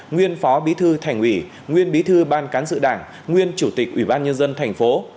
nguyên phó bí thư thành ủy nguyên bí thư ban cán sự đảng nguyên chủ tịch ủy ban nhân dân thành phố